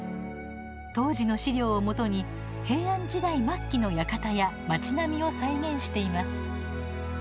当時の史料をもとに平安時代末期の館や町並みを再現しています。